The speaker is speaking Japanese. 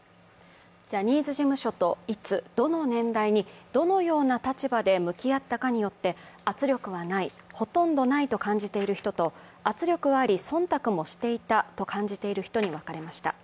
ジャニーズ事務所といつ、どの年代にどのような立場で向き合ったかによって、圧力はない、ほとんどないと感じている人と圧力はあり、忖度もしていたと感じている人に分かれました。